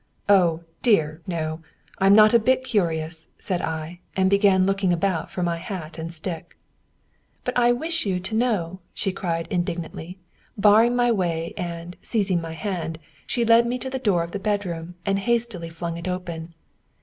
"Oh, dear, no! I'm not a bit curious," said I, and began looking about for my hat and stick. "But I wish you to know," she cried indignantly, barring my way, and, seizing my hand, she led me to the door of the bedroom, and hastily flung it open.